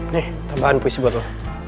nih tambahan puisi buat lo